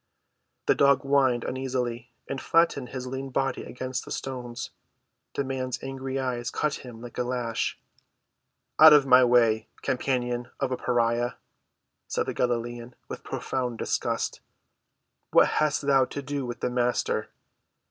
The dog whined uneasily, and flattened his lean body against the stones. The man's angry eyes cut him like a lash. "Out of my way, companion of a pariah," said the Galilean, with profound disgust. "What hast thou to do with the Master?"